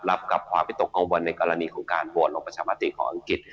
กับความวิตกกังวลในกรณีของการโหวตลงประชามติของอังกฤษ